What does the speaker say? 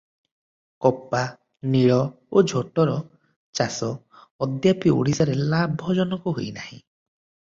କପା, ନୀଳ ଓ ଝୋଟର ଚାଷ ଅଦ୍ୟାପି ଓଡ଼ିଶାରେ ଲାଭଜନକ ହୋଇ ନାହିଁ ।